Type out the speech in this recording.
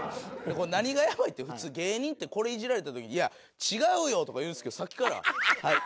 何がやばいって普通芸人ってこれイジられた時に「いや違うよ」とか言うんですけどさっきから「はい」。